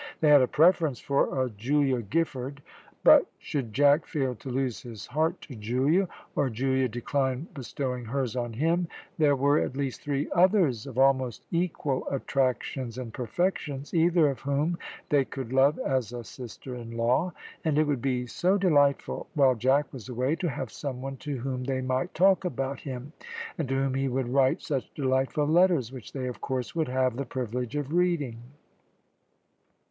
They had a preference for a Julia Giffard; but should Jack fail to lose his heart to Julia, or Julia decline bestowing hers on him, there were at least three others of almost equal attractions and perfections, either of whom they could love as a sister in law; and it would be so delightful, while Jack was away, to have some one to whom they might talk about him, and to whom he would write such delightful letters which they, of course, would have the privilege of reading.